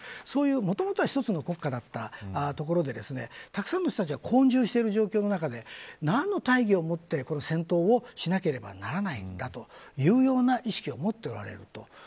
そういう、もともとは一つの国家だった所でたくさんの人たちが混住している状況の中で何の大義をもってこの戦争をしなければならないんだというような意識を持っておられる。